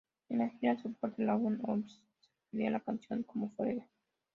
En la gira soporte del álbum, Osbourne se refería a la canción como "Forever".